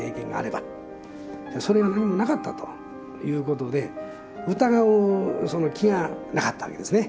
それが何もなかったということで疑うその気がなかったわけですね。